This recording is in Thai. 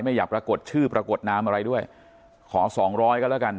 ไม่อยากปรากฏชื่อปรากฏนามอะไรด้วยขอสองร้อยก็แล้วกัน